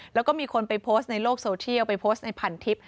แล้วก็มีคนไปโพสต์ในโลกโซเทียลไปโพสต์ในพันทิพย